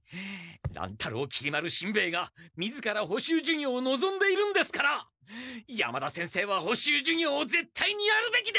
乱太郎きり丸しんべヱがみずから補習授業をのぞんでいるんですから山田先生は補習授業を絶対にやるべきです！